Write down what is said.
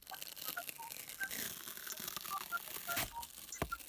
kutumia miguu ya nyuma naya mbele pia humsaidia Katika kujiokoa na hatari